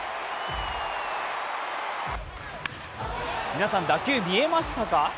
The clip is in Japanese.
皆さん、打球見えましたか？